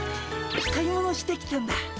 買い物してきたんだ。